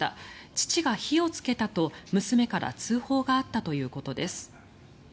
父が火をつけたと、娘から通報があったということです。